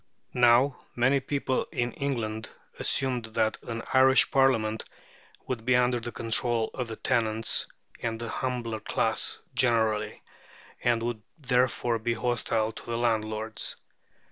Now, many people in England assumed that an Irish Parliament would be under the control of the tenants and the humbler class generally, and would therefore be hostile to the landlords.